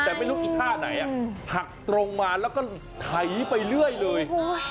แต่ไม่รู้อีท่าไหนหักตรงมาแล้วก็ไถไปเรื่อยเลย